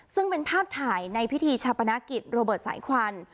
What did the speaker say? ซึ่งเป็นภาพถ่ายในพิธีชาปนกิจโรเบิร์ตสายควัน